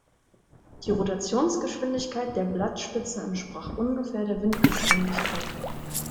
Die Rotationsgeschwindigkeit der Blattspitzen entsprach ungefähr der Windgeschwindigkeit.